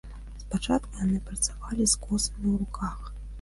Спачатку яны працавалі з косамі ў руках.